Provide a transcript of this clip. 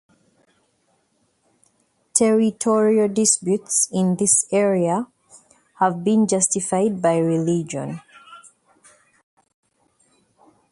Territorial disputes in this area have been justified by religion.